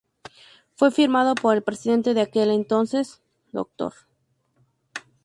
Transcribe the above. Fue firmado por el Presidente de aquel entonces, Dr.